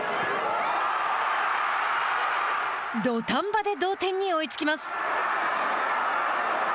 土壇場で同点に追いつきます。